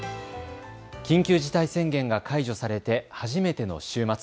緊急事態宣言が解除されて初めての週末。